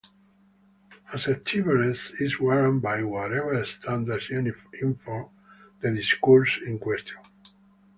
Assertiveness is warrant by whatever standards inform the discourse in question.